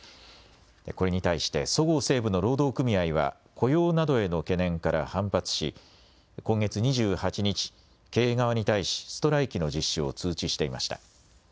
これに対して、そごう・西武の労働組合は、雇用などへの懸念から反発し、今月２８日、経営側に対し、ストライキの実施を通知していました。